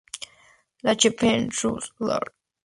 La Chapelle-sur-Loire